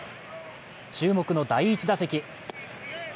注目の第１打席。